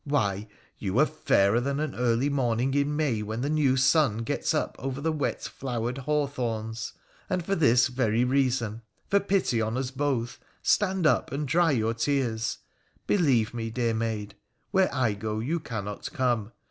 — why, you are fairer than an early morning in May when the new sun gets up over the wet flowered hawthorns ! And for this very reason, for pity on us both, stand up, and dry your tears 1 Believe me, dear maid, where I go you cannot come.